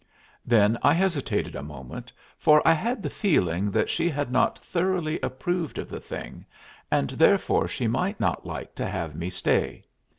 Then I hesitated a moment, for I had the feeling that she had not thoroughly approved of the thing and therefore she might not like to have me stay.